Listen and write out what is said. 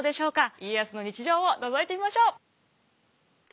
家康の日常をのぞいてみましょう。